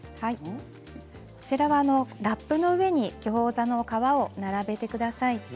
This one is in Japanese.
こちらはラップの上にギョーザの皮を並べてください。